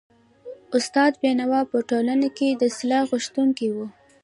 استاد بينوا په ټولنه کي د اصلاح غوښتونکی و.